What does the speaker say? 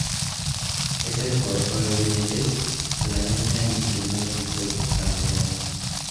Except for royal lineages, Bhutanese names do not include a family name.